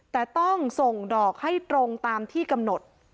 แต่ต้องส่งดอกให้ตรงตามที่กำหนด